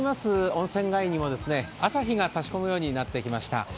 温泉街にも朝日が差し込むようになってきました。